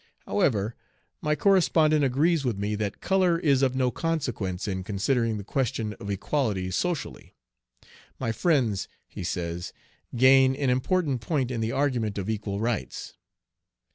However, my correspondent agrees with me that color is of no consequence in considering the question of equality socially. My friends, he says, gain an important point in the argument for equal rights.